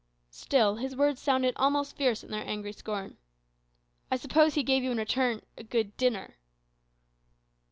Still, his words sounded almost fierce in their angry scorn. "I suppose he gave you in return a good dinner."